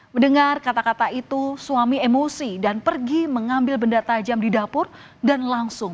mendengar kata kata itu suami emosi dan pergi mengambil benda tajam di dapur dan langsung